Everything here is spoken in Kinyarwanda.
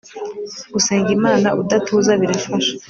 gusenga imana udatuza birafasha